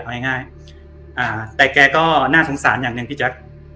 เอาง่ายแต่แกก็น่าสงสารอย่างหนึ่งพี่แจ๊ค